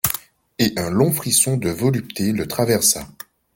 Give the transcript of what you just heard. Et un long frisson de volupté le traversa.